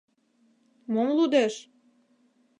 — Мом лудеш?